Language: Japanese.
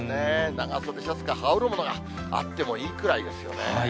長袖シャツか羽織るものがあってもいいくらいですよね。